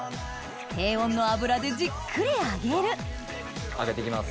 低温の油でじっくり揚げる揚げて行きます。